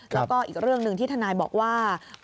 แล้วก็อีกเรื่องหนึ่งที่ทนายบอกว่า